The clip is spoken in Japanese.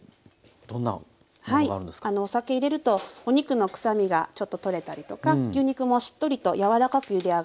お酒入れるとお肉の臭みがちょっととれたりとか牛肉もしっとりと柔らかくゆで上がります。